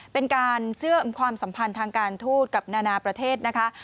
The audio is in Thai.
เป็นการเชื่อมความสัมพันธ์ทางการทูตกับนานาประเทศนะคะ